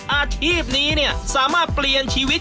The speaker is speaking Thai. อาชีพนี้เนี่ยสามารถเปลี่ยนชีวิต